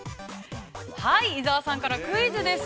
◆はい、伊沢さんからクイズです。